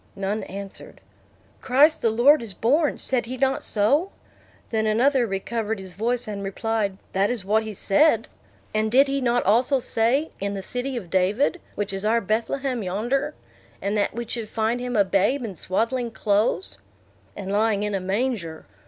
None answered. "Christ the Lord is born; said he not so?" Then another recovered his voice, and replied, "That is what he said." "And did he not also say, in the city of David, which is our Bethlehem yonder. And that we should find him a babe in swaddling clothes?" "And lying in a manger."